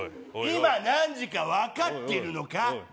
今何時か分かってるのかおい